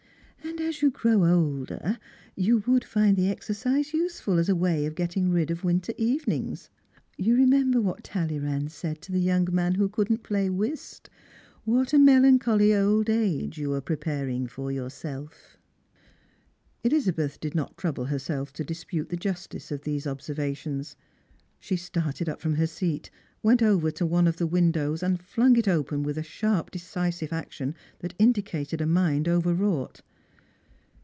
And as you grow older you would find tlie exercise useful as a way of getting rid of winter 292 Strangers and Filgrimg. evenings. You remember what Talleyrand said to the young man who couldn't play whist ?" What a melancholy old age you are preparing for yourpolf !" Elizabeth did not trouble herself to dispute the justice of these observations. She started up from her seat, went over to one of the windows, and flung it open with a sharp decisive action that indicated a mind overwrought.